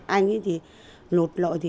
anh thì lụt lội